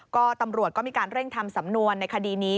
ก็ตำรวจก็มีการเร่งทำสำนวนในคดีนี้